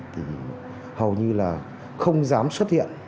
thì hầu như là không dám xuất hiện